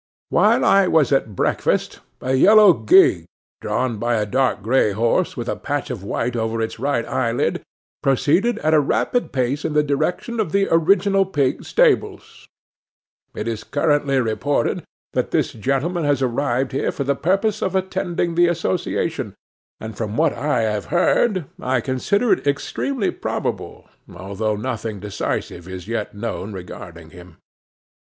While I was at breakfast, a yellow gig, drawn by a dark grey horse, with a patch of white over his right eyelid, proceeded at a rapid pace in the direction of the Original Pig stables; it is currently reported that this gentleman has arrived here for the purpose of attending the association, and, from what I have heard, I consider it extremely probable, although nothing decisive is yet known regarding him.